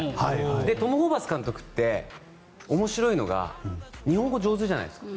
トム・ホーバス監督って面白いのが日本語上手じゃないですか。